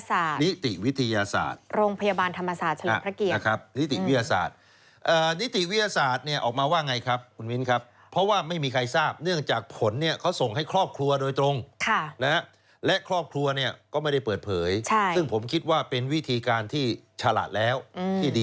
นิติวิทยาศาสตร์โรงพยาบาลธรรมศาสตร์เฉลิมพระเกียรตินะครับนิติวิทยาศาสตร์นิติวิทยาศาสตร์เนี่ยออกมาว่าไงครับคุณมิ้นครับเพราะว่าไม่มีใครทราบเนื่องจากผลเนี่ยเขาส่งให้ครอบครัวโดยตรงและครอบครัวเนี่ยก็ไม่ได้เปิดเผยซึ่งผมคิดว่าเป็นวิธีการที่ฉลาดแล้วที่ดี